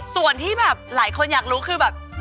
ส่วนที่แบบหลายคนอยากรู้คือแบบ